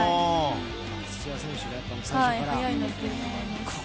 土屋選手が最初から。